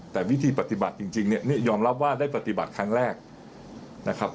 แต่วิธีปฏิบัติจริงเนี่ยยอมรับว่าได้ปฏิบัติครั้งแรกนะครับ